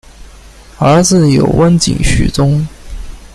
儿子有温井续宗。